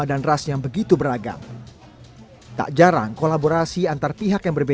jangan lupa subscribe channel ini